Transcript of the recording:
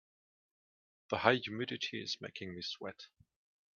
The high humidity is making me sweat.